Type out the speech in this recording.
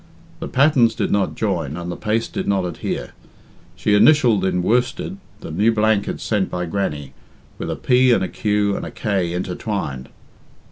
The patterns did not join and the paste did not adhere. She initialled in worsted the new blankets sent by Grannie, with a P and a Q and a K intertwined.